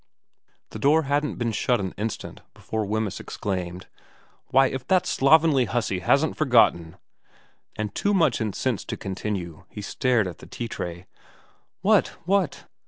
The door hadn't been shut an instant before Wemyss 268 VERA exclaimed, ' Why, if that slovenly hussy hasn't for gotten ' And too much incensed to continue he stared at the tea tray. ' What ? What